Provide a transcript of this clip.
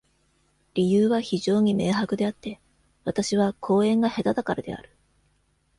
理由は非常に明白であって、私は講演が下手だからである。